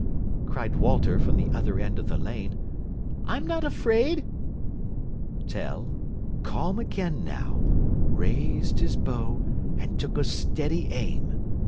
cried Walter from the other end of the lane; "I'm not afraid." Tell, calm again now, raised his bow and took a steady aim.